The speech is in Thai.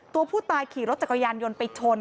ตัวผู้ตายขี่รถจักรยานยนต์ไปชน